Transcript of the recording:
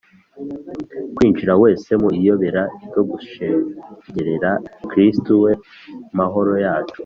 kwinjira wese mu iyobera ryo gushengerera kristu we mahoro yacu ».